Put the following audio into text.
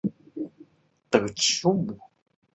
坚桦为桦木科桦木属的植物。